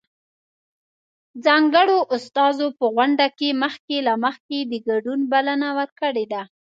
ځانګړو استازو په غونډه کې مخکې له مخکې د ګډون بلنه ورکړې ده.